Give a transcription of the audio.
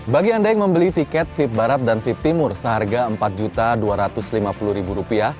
bagi anda yang membeli tiket vip barat dan fit timur seharga rp empat dua ratus lima puluh